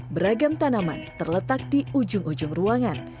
beragam tanaman terletak di ujung ujung ruangan